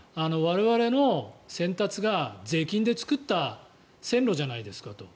我々の先達が税金で作った線路じゃないですかと。